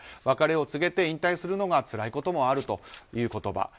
別れを告げて引退するのがつらいこともあるという言葉。